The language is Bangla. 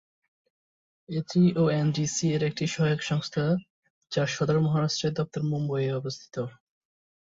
এটি ওএনজিসি-এর একটি সহায়ক সংস্থা, যার সদর মহারাষ্ট্রের দপ্তর মুম্বইয়ে অবস্থিত।